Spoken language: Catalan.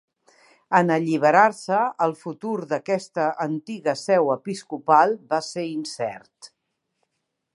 En alliberar-se, el futur d'aquesta antiga seu episcopal va ser incert.